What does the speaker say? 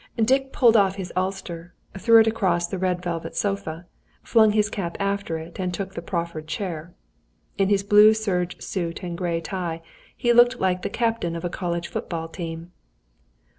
Dick pulled off his ulster, threw it across the red velvet sofa, flung his cap after it, and took the proffered chair. In his blue serge suit and gay tie, he looked like the captain of a college football team.